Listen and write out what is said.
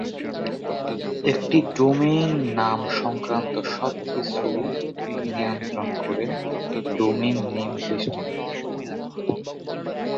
একটি ডোমেইন নাম সংক্রান্ত সব কিছু নিয়ন্ত্রণ করে ডোমেইন নেম সিস্টেম।